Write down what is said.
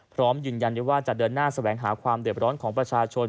พร้อมยืนยันว่าจะเดินหน้าแสวงหาความเด็บร้อนของประชาชน